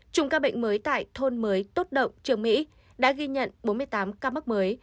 chùm ca bệnh mới tại thôn mới tốt động trường mỹ đã ghi nhận bốn mươi tám ca mắc mới